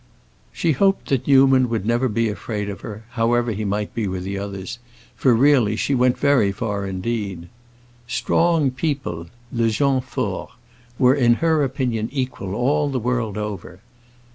She hoped that Newman would never be afraid of her, however he might be with the others, for, really, she went very far indeed. "Strong people"—le gens forts—were in her opinion equal, all the world over.